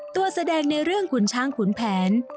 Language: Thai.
แสดงในเรื่องขุนช้างขุนแผน